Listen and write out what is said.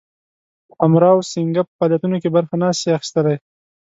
امراو سینګه په فعالیتونو کې برخه نه سي اخیستلای.